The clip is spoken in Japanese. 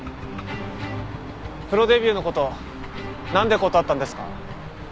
プロデビューの事なんで断ったんですか？